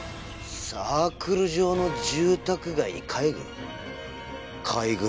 サークル状の住宅街に海軍？